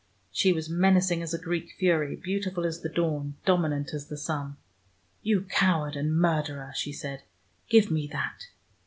She was menacing as a Greek fury, beautiful as the dawn, dominant as the sun. "You coward and murderer," she said. "Give me that."